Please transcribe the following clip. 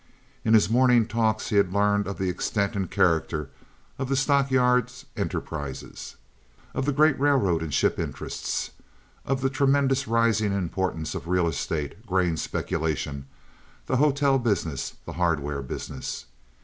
In his morning talks he had learned of the extent and character of the stock yards' enterprises, of the great railroad and ship interests, of the tremendous rising importance of real estate, grain speculation, the hotel business, the hardware business.